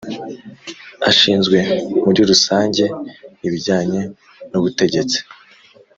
Ashinzwe muri rusange ibijyanye n ubutegetsi